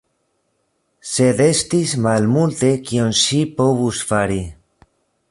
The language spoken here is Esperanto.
Sed estis malmulte kion ŝi povus fari.